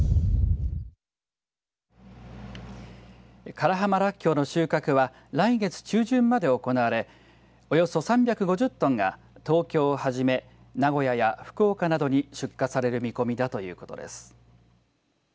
唐浜らっきょうの収穫は来月中旬まで行われおよそ３５０トンが東京をはじめ名古屋や福岡などに出荷される見込みだということです。